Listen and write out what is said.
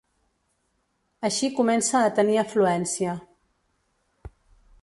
Així comença a tenir afluència.